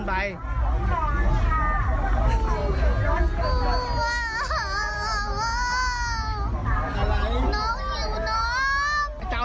ทำไมละ